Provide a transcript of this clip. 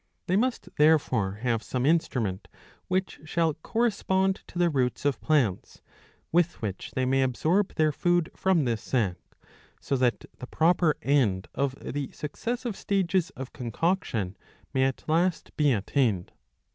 They must therefore have some instrument which shall correspond to the roots of plants,^" with which they may absorb their food from this sac, so that the proper end of the successive stages of concoction may at last be attained.